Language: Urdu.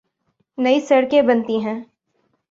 نئی سڑکیں بنتی ہیں۔